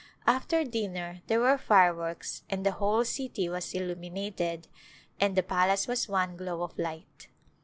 After dinner there were fireworks and the whole city was illuminated and the palace was one glow of light.